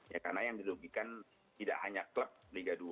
ya karena yang dirugikan tidak hanya klub liga dua